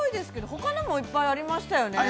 ほかにもいっぱいありましたよね。